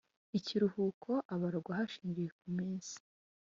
Ikiruhuko abarwa hashingiwe ku minsi